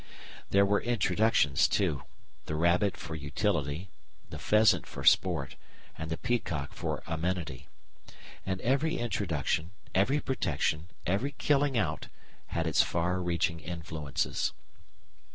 There were introductions too the rabbit for utility, the pheasant for sport, and the peacock for amenity. And every introduction, every protection, every killing out had its far reaching influences.